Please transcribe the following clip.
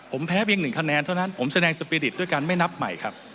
ผมแพ้เพียง๑คะแนนเท่านั้นผมแสดงสปีริตด้วยการไม่นับใหม่ครับ